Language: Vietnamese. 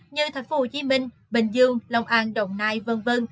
như thành phố hồ chí minh bình dương long an đồng nai v v